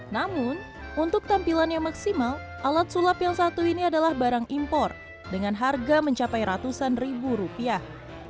namun untuk tampilan yang maksimal alat sulap yang satu ini adalah barang impor dengan harga mencapai ratusan ribu rupiah